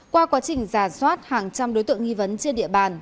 qua quá trình giả soát hàng trăm đối tượng nghi vấn trên địa bàn